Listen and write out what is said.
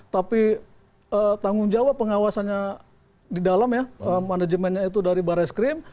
tapi tanggung jawab pengawasannya di dalam ya manajemennya itu dari barreskrim